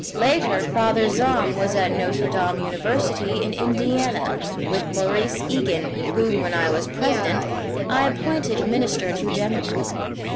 Later Father Zahm was at Notre Dame University, in Indiana, with Maurice Egan, whom, when I was President, I appointed minister to Denmark.